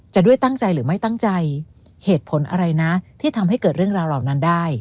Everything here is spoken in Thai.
ด้วยตั้งใจหรือไม่ตั้งใจเหตุผลอะไรนะที่ทำให้เกิดเรื่องราวเหล่านั้นได้